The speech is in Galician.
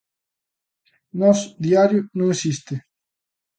Nós Diario non existe.